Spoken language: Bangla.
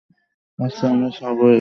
আচ্ছা, আমরা সাবওয়ে ধরে যেতে পারি।